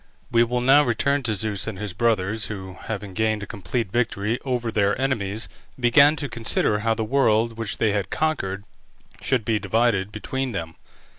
We will now return to Zeus and his brothers, who, having gained a complete victory over their enemies, began to consider how the world, which they had conquered, should be divided between them.